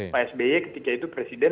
pak sby ketika itu presiden